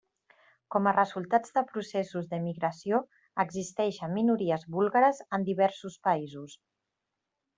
Com a resultat de processos d'emigració existeixen minories búlgares en diversos països.